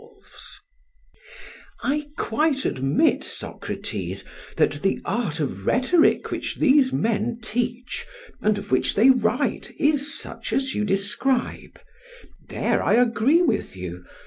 PHAEDRUS: I quite admit, Socrates, that the art of rhetoric which these men teach and of which they write is such as you describe there I agree with you.